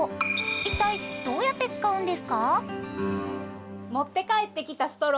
一体どうやって使うんですか？